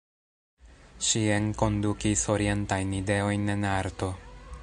Ŝi enkondukis orientajn ideojn en arto.